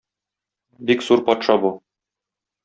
Бик зур патша бу.